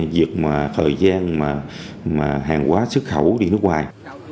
dựng thời gian mà hàng hóa xuất khẩu đi nước ngoài